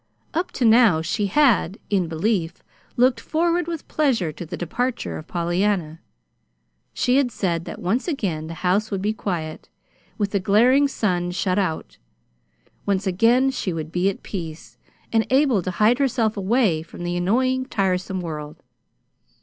Up to now she had, in belief, looked forward with pleasure to the departure of Pollyanna. She had said that then once again the house would be quiet, with the glaring sun shut out. Once again she would be at peace, and able to hide herself away from the annoying, tiresome world.